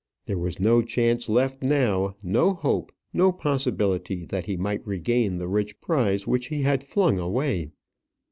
There was no chance left now, no hope, no possibility that he might regain the rich prize which he had flung away.